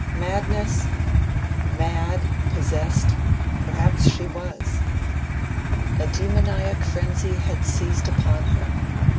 Madness? Mad possessed perhaps she was. A demoniac frenzy had seized upon her.